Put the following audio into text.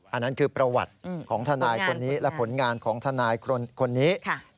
อันนั้นคือประวัติของทนายคนนี้และผลงานของทนายคนนี้